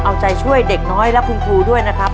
เอาใจช่วยเด็กน้อยและคุณครูด้วยนะครับ